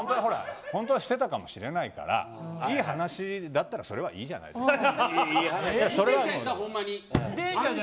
本当はしてたかもしれないからいい話だったらそれはいいじゃないですか。